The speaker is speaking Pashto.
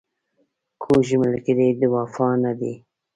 کوږ ملګری د وفا نه وي